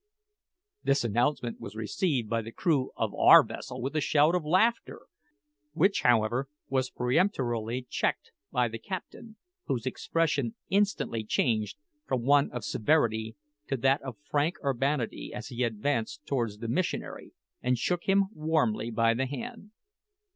This announcement was received by the crew of our vessel with a shout of laughter, which, however, was peremptorily checked by the captain, whose expression instantly changed from one of severity to that of frank urbanity as he advanced towards the missionary and shook him warmly by the hand.